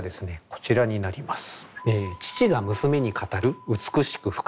こちらになります。